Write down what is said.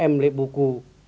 m beli buku